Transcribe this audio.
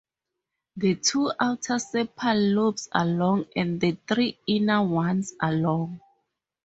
The two outer sepal lobes are long and the three inner ones are long.